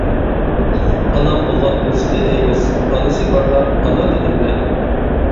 ئانام بولغان بولسىدى دەيمىز، ئانىسى بارلار ئانا دېگەندە.